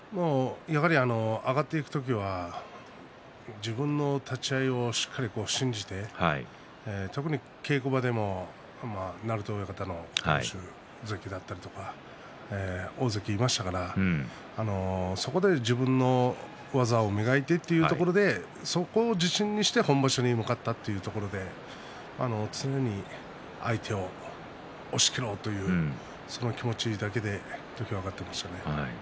やはり上がっていく時は自分の立ち合いをしっかり信じて特に稽古場でも鳴戸親方や大関もいましたしそこで自分の技を磨いてというところでそこを自信にして本場所に向かったというところで常に相手を押しきろうというその気持ちだけで土俵に上がっていましたね。